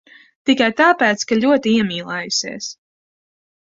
Tikai tāpēc, ka ļoti iemīlējusies.